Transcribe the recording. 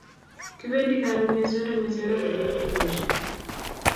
Kipendi karun kesore ngecherok en tukoshek